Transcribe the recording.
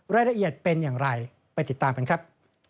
รายละเอียดเป็นอย่างไรไปติดตามกันครับ